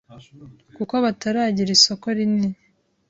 kuko bataragira isoko rinini